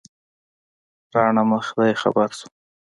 راڼه مخ ته یې ځېر شوم.